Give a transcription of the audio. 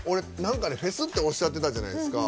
フェスっておっしゃってたじゃないですか。